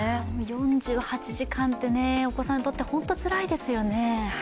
４８時間ってお子さんにとって本当につらいですよね。